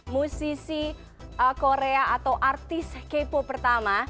musisi korea atau artis k po pertama